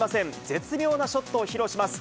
絶妙なショットを披露します。